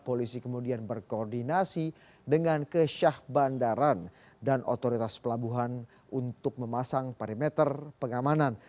polisi kemudian berkoordinasi dengan kesyah bandaran dan otoritas pelabuhan untuk memasang parameter pengamanan